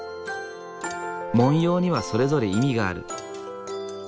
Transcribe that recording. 文様にはそれぞれ意味がある。